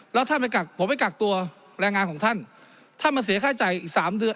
แล้วท่านไปกักผมไปกักตัวแรงงานของท่านท่านมาเสียค่าจ่ายอีกสามเดือน